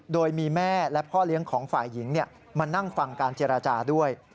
โดยมีแม่และพ่อเลี้ยงของฝ่ายหญิงมานั่งฟังการเจรจาด้วย